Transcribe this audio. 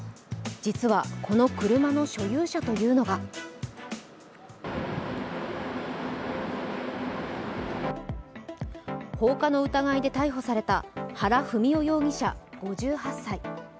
実は、この車の所有者というのが放火の疑いで逮捕された原文雄容疑者５８歳。